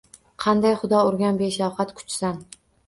Qanday Xudo urgan beshafqat kuchsan